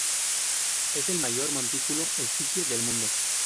Es el mayor montículo-efigie del mundo.